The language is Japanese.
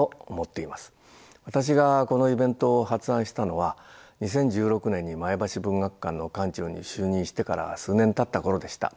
私がこのイベントを発案したのは２０１６年に前橋文学館の館長に就任してから数年たった頃でした。